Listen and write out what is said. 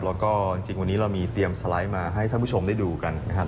แล้วก็จริงวันนี้เรามีเตรียมสไลด์มาให้ท่านผู้ชมได้ดูกันนะครับ